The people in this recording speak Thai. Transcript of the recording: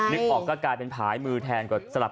นึกออกก็เป็นผายมือแทนกับ